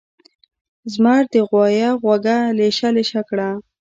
زمر د غوایه غوږه لېشه لېشه کړه.